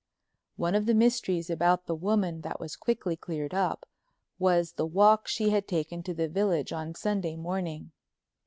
One of the mysteries about the woman that was quickly cleared up was the walk she had taken to the village on Sunday morning.